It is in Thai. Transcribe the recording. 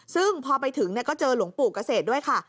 ซึ่งพอไปถึงก็เจอหลวงปู่เกษตรด้วยค่ะ